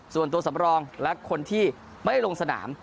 ส่วนตัวสำรองและคนที่ไม่ได้ลงสนาม